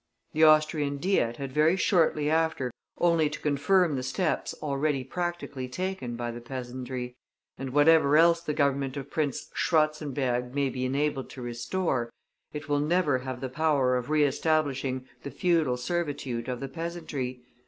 The Austrian Diet had very shortly after only to confirm the steps already practically taken by the peasantry, and whatever else the Government of Prince Schwartzenberg may be enabled to restore, it will never have the power of re establishing the feudal servitude of the peasantry.